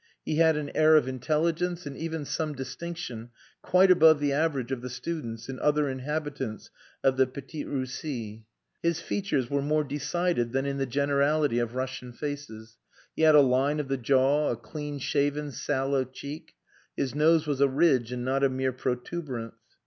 He had an air of intelligence and even some distinction quite above the average of the students and other inhabitants of the Petite Russie. His features were more decided than in the generality of Russian faces; he had a line of the jaw, a clean shaven, sallow cheek; his nose was a ridge, and not a mere protuberance.